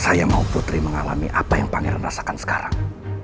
saya mau putri mengalami apa yang pangeran rasakan sekarang